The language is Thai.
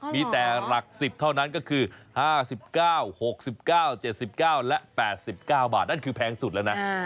มีแต่หลัก๑๐เท่านั้นก็คือ๕๙๖๙๗๙และ๘๙บาทนั่นคือแพงสุดแล้วนะ